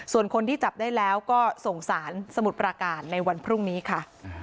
ส่วนคนที่จับได้แล้วก็ส่งสารสมุทรปราการในวันพรุ่งนี้ค่ะ